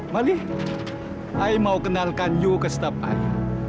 mali saya mau kenalkan kamu ke staf saya